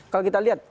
kalau kita lihat